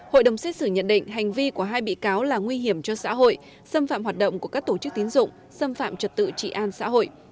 hội đồng xét xử nhận định hành vi của hai bị cáo là nguy hiểm cho xã hội xâm phạm hoạt động của các tổ chức tín dụng xâm phạm trật tự trị an xã hội